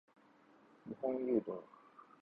日本郵便